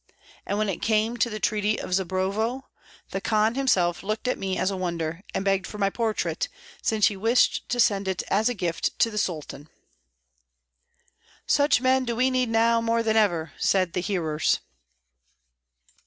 and when it came to the treaty of Zborovo, the Khan himself looked at me as a wonder, and begged for my portrait, since he wished to send it as a gift to the Sultan." "Such men do we need now more than ever," said the hearers.